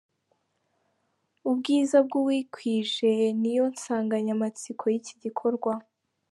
Ubwiza bw'uwikwije ni yo nsanganyamatsiko y'iki gikorwa.